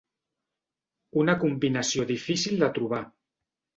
Una combinació difícil de trobar.